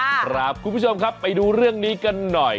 คุณผู้ชมครับไปดูเรื่องนี้กันหน่อย